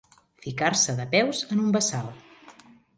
Ficar-se de peus en un bassal.